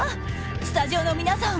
スタジオの皆さん